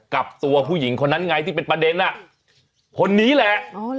กับตัวผู้หญิงคนนั้นไงที่เป็นประเด็นคนนี้แหละ